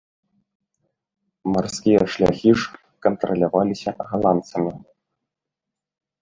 Марскія шляхі ж кантраляваліся галандцамі.